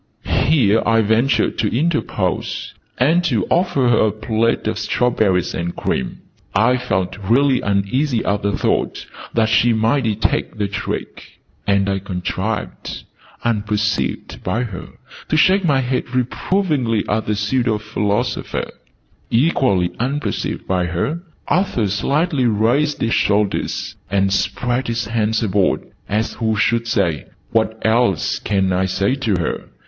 Here I ventured to interpose, and to offer her a plate of strawberries and cream. I felt really uneasy at the thought that she might detect the trick: and I contrived, unperceived by her, to shake my head reprovingly at the pseudo philosopher. Equally unperceived by her, Arthur slightly raised his shoulders, and spread his hands abroad, as who should say "What else can I say to her?"